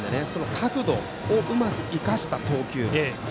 角度をうまく生かした投球。